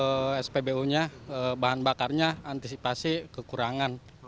untuk spbu nya bahan bakarnya antisipasi kekurangan